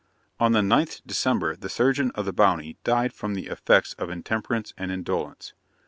On the 9th December, the surgeon of the Bounty died from the effects of intemperance and indolence.